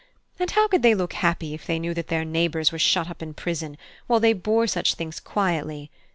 and how could they look happy if they knew that their neighbours were shut up in prison, while they bore such things quietly?